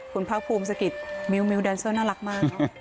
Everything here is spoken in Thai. คุณภาคภูมิสะกิดมิวแดนเซอร์น่ารักมาก